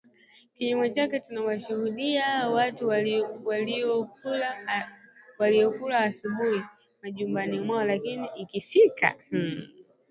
Kinyume chake tunawashuhudia watu waliokula asubuhi majumbani mwao lakini ikifika